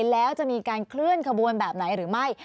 แล้วจะมีการเคลื่อนขบวนแบบไหนหรือไม่